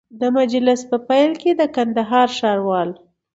د مجلس په پیل کي د کندهار ښاروال